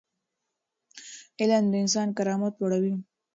علم د انسان کرامت لوړوي.